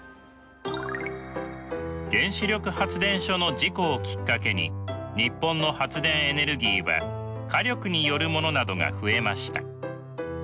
原子力発電所の事故をきっかけに日本の発電エネルギーは火力によるものなどが増えました。